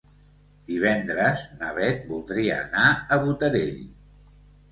Divendres na Bet voldria anar a Botarell.